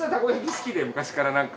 好きで昔からなんか。